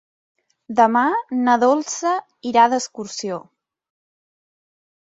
Demà na Dolça irà d'excursió.